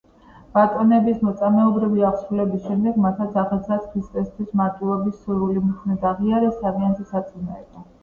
ბატონების მოწამეობრივი აღსასრულის შემდეგ მათაც აღეძრათ ქრისტესთვის მარტვილობის სურვილი, მხნედ აღიარეს თავიანთი სარწმუნოება.